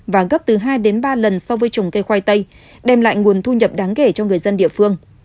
và gấp từ hai đến ba lần so với trồng cây khoai tây đem lại nguồn thu nhập đáng kể cho người dân địa phương